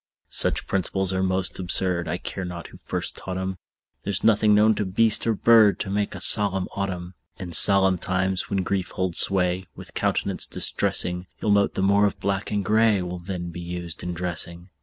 Such principles are most absurd, I care not who first taught 'em; There's nothing known to beast or bird To make a solemn autumn. In solemn times, when grief holds sway With countenance distressing, You'll note the more of black and gray Will then be used in dressing.